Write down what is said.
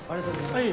はい。